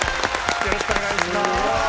よろしくお願いします。